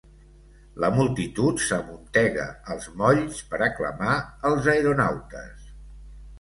La multitud s'amuntega als molls per aclamar els aeronautes.